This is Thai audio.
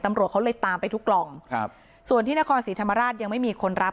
ตำรวจเขาเลยตามไปทุกกล่องครับส่วนที่นครศรีธรรมราชยังไม่มีคนรับ